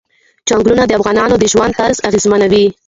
چنګلونه د افغانانو د ژوند طرز اغېزمنوي.